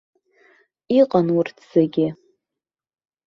Иҟан урҭ зегьы.